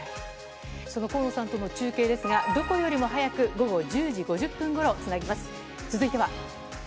その河野さんとの中継ですが、どこよりも早く、午後１０時５０分ごろ、つなぎます。